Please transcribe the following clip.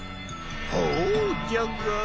ほうじゃが。